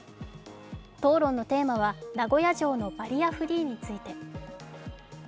討論のテーマは名古屋城のバリアフリーについて。